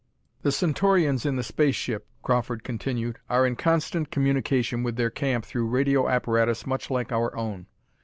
"The Centaurians in the space ship," Crawford continued, "are in constant communication with their camp through radio apparatus much like our own.